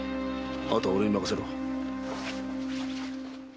あとは俺にまかせろ。